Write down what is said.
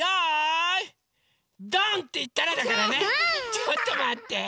ちょっとまって！